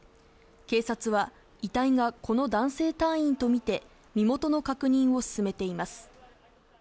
警察は遺体がこの男性隊員とみて身元の確認を進めています。